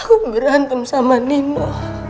aku berantem sama nino